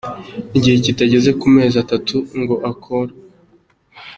igihe kitageze ku mezi atatu ngo akorwe !